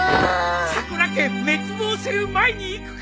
さくら家滅亡する前に行くか？